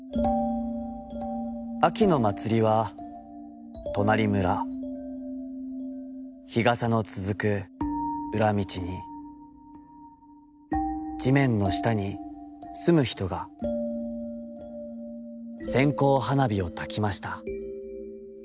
秋のまつりはとなり村、日傘のつづく裏みちに、地面のしたに棲むひとが、線香花火をたきました。